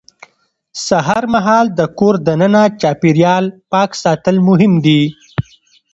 سهار مهال د کور دننه چاپېریال پاک ساتل مهم دي